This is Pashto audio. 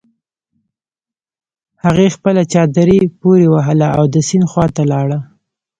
هغې خپله چادري پورې وهله او د سيند خواته لاړه.